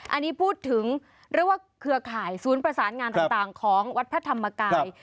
อันนี้พูดถึงเรียกว่าเครือข่ายศูนย์ประสานงานต่างของวัดพระธรรมกาย